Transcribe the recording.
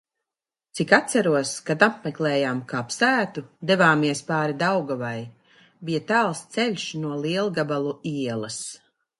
Cik atceros, kad apmeklējām kapsētu, devāmies pāri Daugavai, bija tāls ceļš no Lielgabalu ielas.